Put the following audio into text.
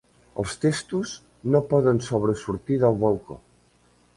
Els testos no poden sobresortir del balcó.